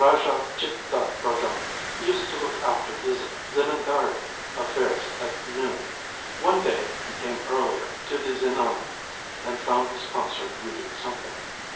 Raja Chittaranjan used to look after his zemindari affairs at noon. One day he came earlier to the zenana, and found his consort reading something.